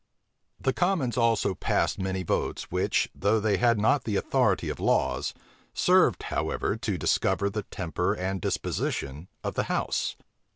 The commons also passed many votes, which, though they had not the authority of laws, served, however, to discover the temper and disposition of the house.